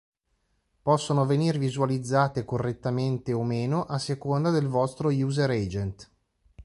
Possono venir visualizzate correttamente o meno a seconda del vostro user agent.